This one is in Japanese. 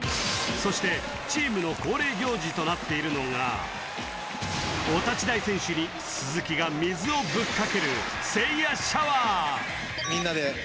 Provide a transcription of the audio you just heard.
そしてチームの恒例行事となっているのがお立ち台選手に鈴木が水をぶっかけるみんなで。